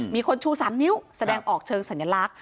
มีคนชู๓นิ้วแสดงออกเชิงสัญลักษณ